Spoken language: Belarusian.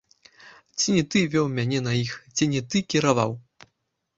Ці не ты вёў мяне на іх, ці не ты кіраваў.